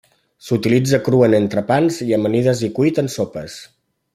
S'utilitza cru en entrepans i amanides i cuit en sopes.